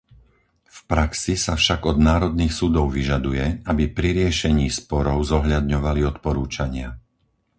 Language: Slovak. V praxi sa však od národných súdov vyžaduje, aby pri riešení sporov zohľadňovali odporúčania.